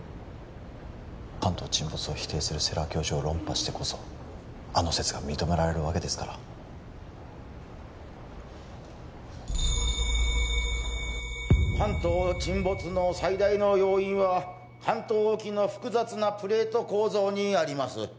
関東沈没を否定する世良教授を論破してこそあの説が認められるわけですから関東沈没の最大の要因は関東沖の複雑なプレート構造にあります